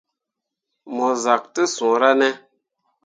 Mo zak te suura ne.